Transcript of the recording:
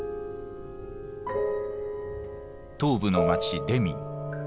東部の街デミン。